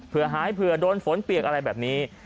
เพื่อหายเผื่อโดนฝนเปียกอะไรแบบนี้